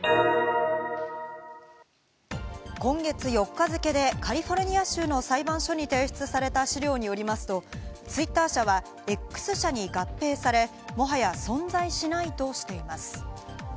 今月４日付けでカリフォルニア州の裁判所に提出された資料によりますと、ツイッター社はＸ社に合併され、もはや存在しないとしています。